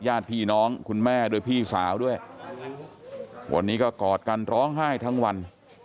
ญาติพี่น้องคุณแม่ด้วยพี่สาวด้วยวันนี้ก็กอดกันร้องไห้ทั้งวัน